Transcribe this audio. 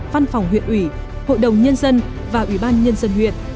văn phòng huyện ủy hội đồng nhân dân và ủy ban nhân dân huyện